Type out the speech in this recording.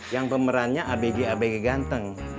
yang pemerannya abg abg ganteng